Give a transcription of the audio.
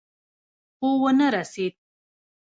خو ونه رسېد.